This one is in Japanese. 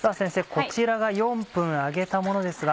こちらが４分揚げたものですが。